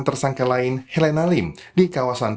tersangka lain helena lim di kawasan